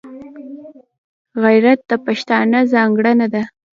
غیرت د پښتانه ځانګړنه ده